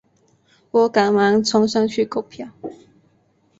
我赶忙冲上去购票